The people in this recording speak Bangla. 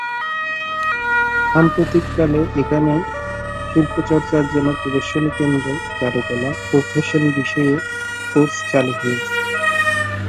সাম্প্রতিক কালে এখানে শিল্প চর্চার জন্য প্রদর্শনী কেন্দ্র, চারুকলা ও ফ্যাশন বিষয়ে কোর্স চালু হয়েছে।